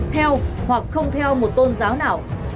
theo hoặc không theo một tôn giáo nào